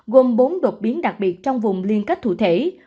gồm bốn đột biến đặc biệt trong vùng liên kết thủ thể